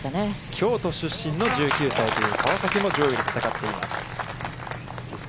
京都出身の１９歳という、川崎も上位で戦っています。